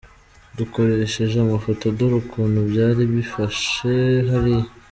Dukoresheje amafoto dore ukuntu byari byifashe hariya.